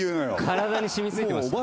体に染み付いてました。